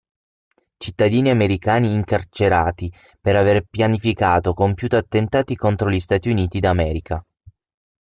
Cittadini americani incarcerati per aver pianificato o compiuto attentati contro gli Stati Uniti d'America.